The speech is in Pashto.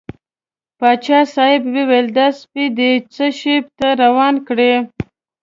پاچا صاحب وویل دا سپی دې څه شي ته روان کړی.